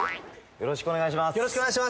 「よろしくお願いします」